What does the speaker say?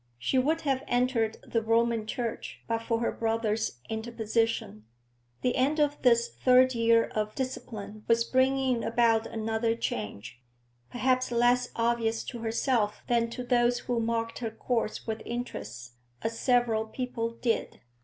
She would have entered the Roman Church but for her brother's interposition. The end of this third year of discipline was bringing about another change, perhaps less obvious to herself than to those who marked her course with interest, as several people did.